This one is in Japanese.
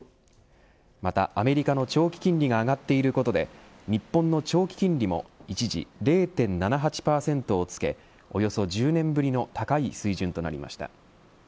またアメリカの長期金利が上がっていることで日本の長期金利も一時０．７８％をつけおよそ１０年ぶりの高い水準となりました。